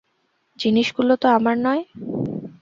জিনিসগুলো তো আমার নয়।